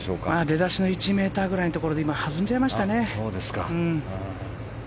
出だしの１ｍくらいのところで弾んじゃいましたね。